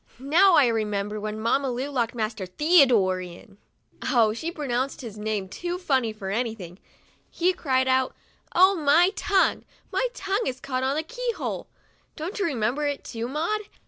Now, I remember, when Mamma Lu locked Marster Theodore in" (oh! she pronounced his name too funny for anything), " he cried out, * Oh, my tongue! My tongue's caught in the keyhole!' Don't you remember it, too, Maud